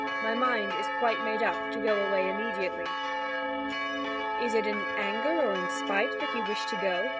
My mind is quite made up to go away immediately." "Is it in anger or in spite that you wish to go?"